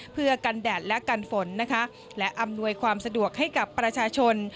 เพื่อกันแดดและกันฝนนะคะและอำนวยความสะดวกให้กับประชาชน